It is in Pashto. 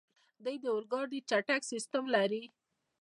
دوی د اورګاډي چټک سیسټم لري.